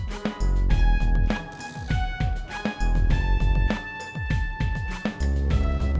ntar gue pindah ke pangkalan